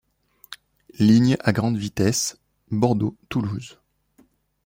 Ligne à grande vitesse Bordeaux-Toulouse.